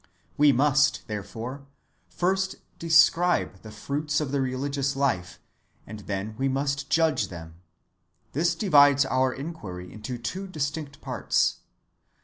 We must, therefore, first describe the fruits of the religious life, and then we must judge them. This divides our inquiry into two distinct parts.